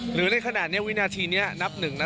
หรือในขณะนี้วินาทีนี้นับหนึ่งนะ